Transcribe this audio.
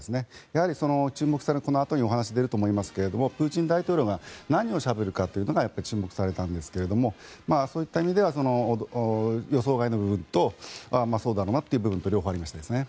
やはり注目されるのはこのあと出てくると思いますがプーチン大統領が何をしゃべるかというのが注目されたんですがそういった意味では予想外の部分とまあそうだろうなという部分と両方ありましたね。